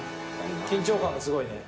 緊張感がすごいね。